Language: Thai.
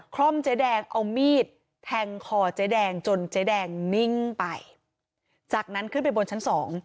ล่อมเจ๊แดงเอามีดแทงคอเจ๊แดงจนเจ๊แดงนิ่งไปจากนั้นขึ้นไปบนชั้นสอง